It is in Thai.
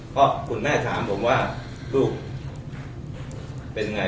เพราะคุณแม่ถามผมว่าลูกเป็นไง